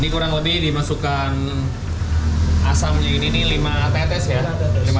kurang lebih dimasukkan asamnya ini lima tetes ya